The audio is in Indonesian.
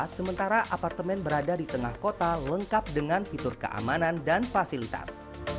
sementara apartemen berada di tengah kota lengkap dengan fitur keamanan dan fasilitas